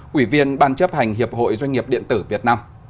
quỷ viên ban chấp hành hiệp hội doanh nghiệp điện tử việt nam